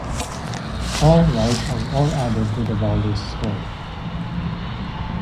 All wides are all added to the bowler's score.